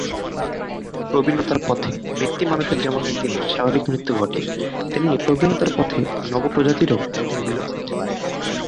কিছু পরিবার এমনকি বিখ্যাত ঈসা ইবনে আল শায়খ আল-শায়বানী লাইন থেকে বংশধর দাবি করছেন।